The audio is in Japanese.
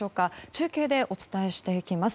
中継でお伝えしていきます。